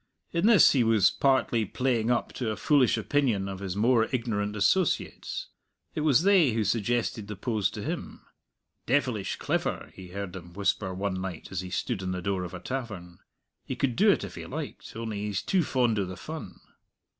In this he was partly playing up to a foolish opinion of his more ignorant associates; it was they who suggested the pose to him. "Devilish clever!" he heard them whisper one night as he stood in the door of a tavern; "he could do it if he liked, only he's too fond o' the fun."